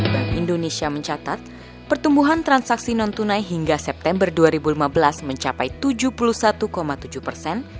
bank indonesia mencatat pertumbuhan transaksi non tunai hingga september dua ribu lima belas mencapai tujuh puluh satu tujuh persen